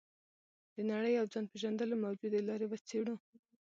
د نړۍ او ځان پېژندلو موجودې لارې وڅېړو.